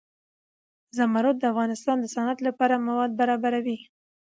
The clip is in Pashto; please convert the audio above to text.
زمرد د افغانستان د صنعت لپاره مواد برابروي.